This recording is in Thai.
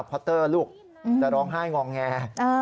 พอเตอร์ลูกจะร้องไห้งอแง